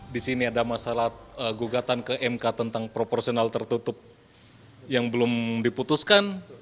di sini ada masalah gugatan ke mk tentang proporsional tertutup yang belum diputuskan